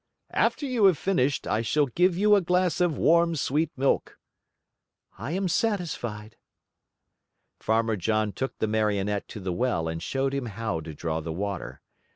"After you have finished, I shall give you a glass of warm sweet milk." "I am satisfied." Farmer John took the Marionette to the well and showed him how to draw the water.